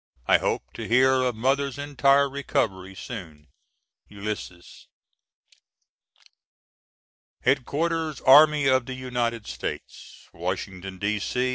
I hope to hear of Mother's entire recovery soon. ULYSSES. HEAD QUARTERS ARMY OF THE UNITED STATES Washington, D.C.